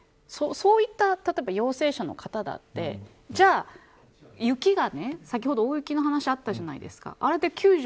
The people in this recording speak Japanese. そういった例えば、陽性者の方だって先ほど大雪の話があったじゃないですか。